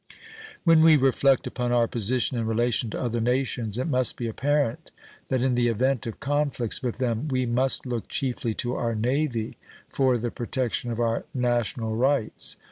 When we reflect upon our position in relation to other nations, it must be apparent that in the event of conflicts with them we must look chiefly to our Navy for the protection of our national rights.